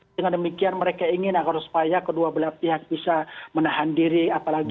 dengan demikian mereka ingin agar supaya kedua belah pihak bisa menahan diri apalagi